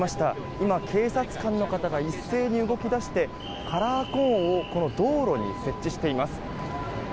今、警察官の方が一斉に動き出して、カラーコーンを道路に設置しています。